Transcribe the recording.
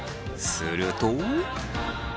すると。